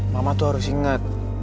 mama tuh harus inget